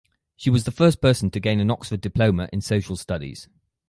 She was the first person to gain an Oxford diploma in social studies.